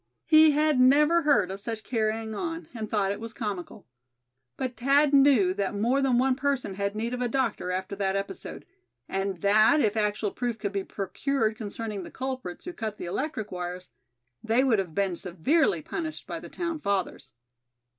He had never heard of such carrying on, and thought it was comical. But Thad knew that more than one person had need of a doctor after that episode; and that if actual proof could be procured concerning the culprits who cut the electric wires, they would have been severely punished by the town fathers.